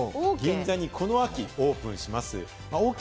銀座にこの秋オープンします。